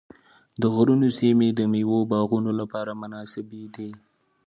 د غرونو سیمې د مېوو باغونو لپاره مناسبې دي.